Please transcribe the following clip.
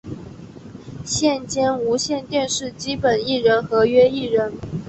现兼无线电视基本艺人合约艺人。